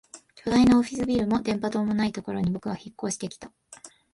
巨大なオフィスビルも電波塔もないところに僕は引っ越してきた